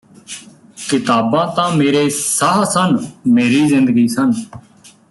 ਕਿਤਾਬਾਂ ਤਾਂ ਮੇਰੇ ਸਾਹ ਸਨ ਮੇਰੀ ਜ਼ਿੰਦਗੀ ਸਨ